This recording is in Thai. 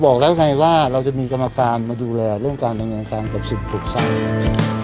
คือเราบอกแล้วไงว่าเราจะมีกรรมการมาดูแลเรื่องการทางเงินทางกับสิทธิ์ผลักษณะ